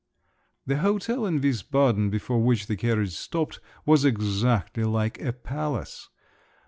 The hotel in Wiesbaden, before which the carriage stopped, was exactly like a palace.